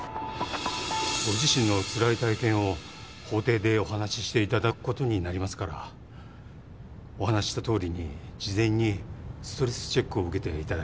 ご自身のつらい体験を法廷でお話ししていただくことになりますからお話ししたとおりに事前にストレスチェックを受けていただきます。